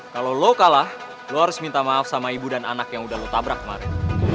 kalau lo kalah lo harus minta maaf sama ibu dan anak yang udah lo tabrak kemarin